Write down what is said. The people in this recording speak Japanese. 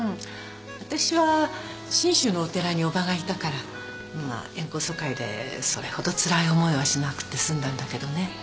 わたしは信州のお寺に叔母がいたからまあ縁故疎開でそれほどつらい思いはしなくて済んだんだけどね。